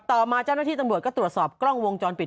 ต่อมาเจ้าหน้าที่ตำรวจก็ตรวจสอบกล้องวงจรปิด